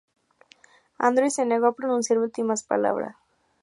Andrews se negó a pronunciar últimas palabras.